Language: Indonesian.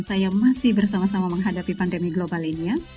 dan saya masih bersama sama menghadapi pandemi global ini ya